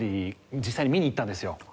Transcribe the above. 実際に見に行ったんですよ。